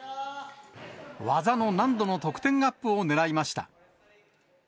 技の難度の得点アップをねらいました。